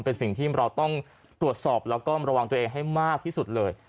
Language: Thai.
เป็นสิ่งที่เราต้องตรวจสอบแล้วก็ระวังตัวเองให้มากที่สุดเลย